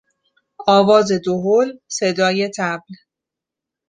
آواز دهل، صدای طبل